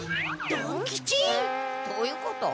どういうこと？